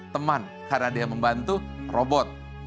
teman karena dia membantu robot